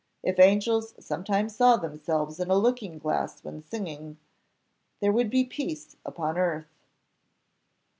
if angels sometimes saw themselves in a looking glass when singing there would be peace upon earth."